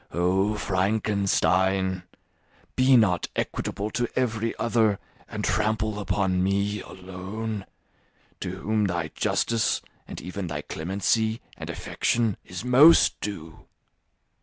Oh, Frankenstein, be not equitable to every other and trample upon me alone, to whom thy justice, and even thy clemency and affection, is most due.